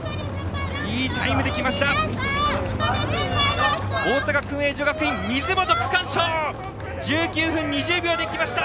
いいタイムで来ました。